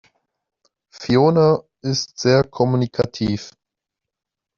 Fiona ist sehr kommunikativ.